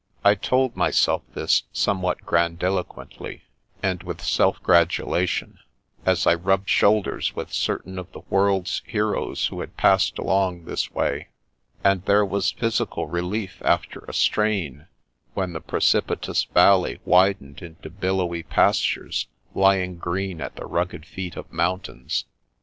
I told myself this, somewhat grandiloquently, and with self gratulation, as I rubbed shoulders with certain of the world's heroes who had passed along this way ; and there was physical relief after a strain, when the precipitous valley widened into billowy pastures lying green at the rugged feet of mountains.